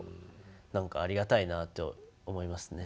何かありがたいなと思いますね。